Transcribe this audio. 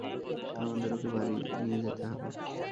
আমাদের ওকে বাড়ি নিয়ে যেতে হবে।